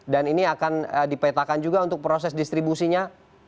dan ini akan dipetakan juga untuk proses distribusinya